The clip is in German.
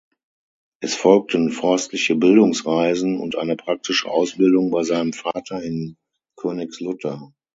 Es folgten forstliche Bildungsreisen und eine praktische Ausbildung bei seinem Vater in Königslutter.